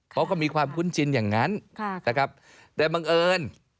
เขาก็มีความคุ้นชินอย่างนั้นนะครับแต่บังเอิญ